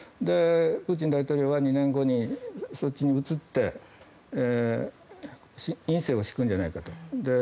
プーチン大統領は２年後にそっちに移って院政を敷くんじゃないかと。